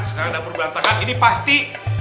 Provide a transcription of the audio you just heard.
sekarang dapur berlantakan ini pasti